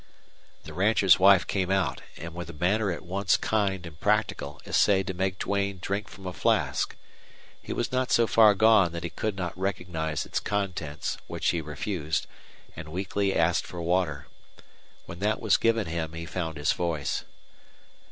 The rancher's wife came out, and with a manner at once kind and practical essayed to make Duane drink from a flask. He was not so far gone that he could not recognize its contents, which he refused, and weakly asked for water. When that was given him he found his voice.